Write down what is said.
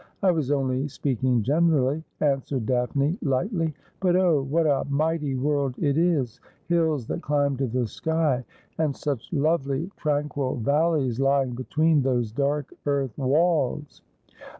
I was only speaking generally,' answered Daphne lightly ;' but oh ! what a mighty world it is— hills that climb to the sky, and such lovely tranquil valleys lying between those dark earth walls.